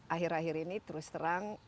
akhir akhir ini terus terang